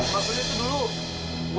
maksudnya tuh dulu